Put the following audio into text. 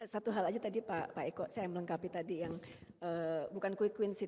satu hal aja tadi pak eko saya melengkapi tadi yang bukan quick win seat